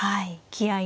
はい。